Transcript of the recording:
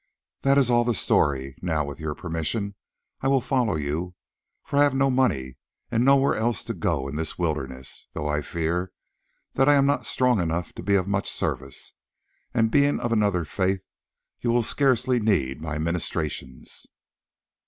That is all the story. Now, with your permission, I will follow you, for I have no money and nowhere else to go in this wilderness, though I fear that I am not strong enough to be of much service, and being of another faith you will scarcely need my ministrations."